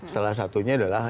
salah satunya adalah